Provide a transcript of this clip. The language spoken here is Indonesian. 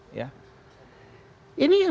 ini yang sudah dikemukakan